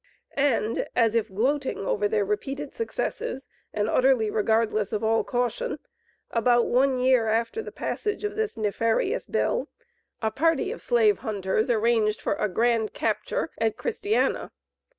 And, as if gloating over their repeated successes, and utterly regardless of all caution, about one year after the passage of this nefarious bill, a party of slave hunters arranged for a grand capture at Christiana.